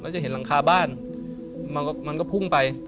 อย่างไรฮะ